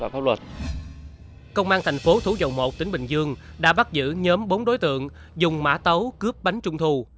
công an thành phố thủ dầu một tỉnh bình dương đã bắt giữ nhóm bốn đối tượng dùng mã tấu cướp bánh trung thu